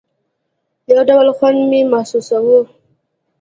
يو ډول خوند مې محسوساوه.